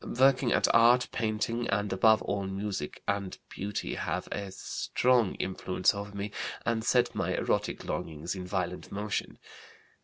Working at art, painting, and above all music and beauty have a strong influence over me and set my erotic longings in violent motion.